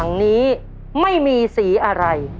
อย่างนี้ไม่มีสีอะไร